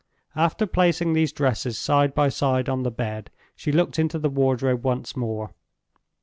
After placing these dresses side by side on the bed, she looked into the wardrobe once more.